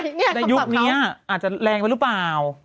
นี่คำตอบเขาแต่ยุคนี้อ่ะอาจจะแรงไปหรือเปล่า